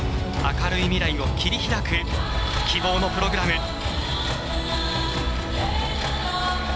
明るい未来を切り開く希望のプログラム。